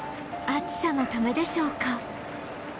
暑さのためでしょうか